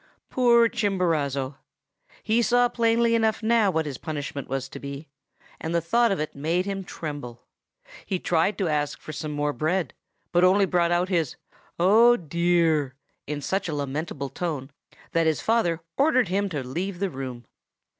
"Poor Chimborazo! He saw plainly enough now what his punishment was to be; and the thought of it made him tremble. He tried to ask for some more bread, but only brought out his 'Oh, dear!' in such a lamentable tone that his father ordered him to leave the room.